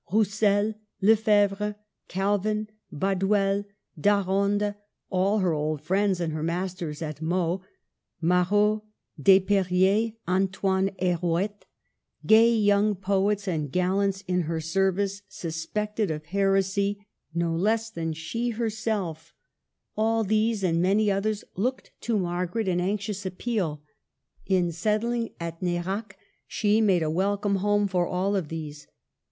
Roussel, Lefebvre, Calvin, Baduel, d'Arande, all her old friends and her masters of Meaux, Marot, Desperriers, Antoine Heroet, gay young poets and gallants in her service, suspected of heresy NERAC in 1530. 127 no less than she herself, — all these and many others looked to Margaret in anxious appeal. In settling at Nerac she made a welcome home for all of these.